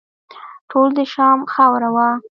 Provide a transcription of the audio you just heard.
ټول د شام خاوره وه.